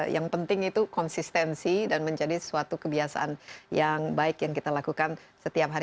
yang penting itu konsistensi dan menjadi suatu kebiasaan yang baik yang kita lakukan setiap hari